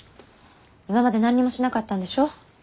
今まで何にもしなかったんでしょ？